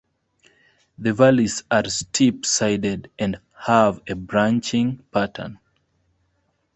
The valleys are steep-sided, and have a branching pattern.